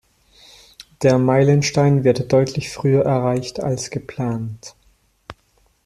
Der Meilenstein wird deutlich früher erreicht als geplant.